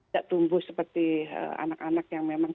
tidak tumbuh seperti anak anak yang memang